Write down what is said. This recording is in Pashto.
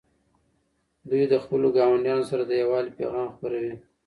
دوی د خپلو ګاونډیانو سره د یووالي پیغام خپروي.